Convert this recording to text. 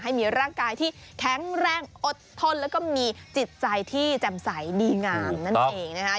ให้มีร่างกายที่แข็งแรงอดทนแล้วก็มีจิตใจที่แจ่มใสดีงามนั่นเองนะคะ